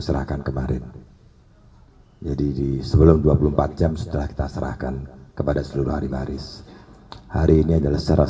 serahkan kemarin jadi sebelum dua puluh empat jam setelah kita serahkan kepada seluruh arimaris hari ini adalah secara